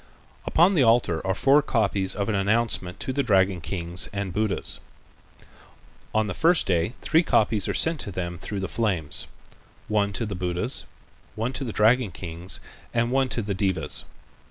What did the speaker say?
Upon the altar are four copies of an announcement to the dragon kings and Buddhas. On the first day three copies are sent to them through the flames, one to the Buddhas, one to the dragon kings and one to the devas.